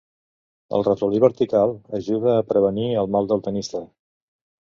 El ratolí vertical ajuda a prevenir el mal del tennista.